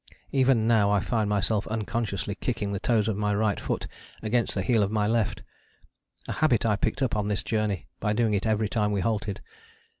Even now I find myself unconsciously kicking the toes of my right foot against the heel of my left: a habit I picked up on this journey by doing it every time we halted.